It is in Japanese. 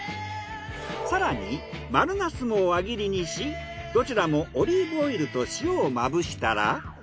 更に丸ナスも輪切りにしどちらもオリーブオイルと塩をまぶしたら。